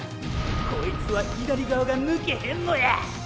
こいつは左側が抜けへんのや！